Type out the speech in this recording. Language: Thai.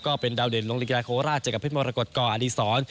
ก็เป็นดาวเด่นลงรีกราคโคราชเจอกับเพศมรกฎกออดีศร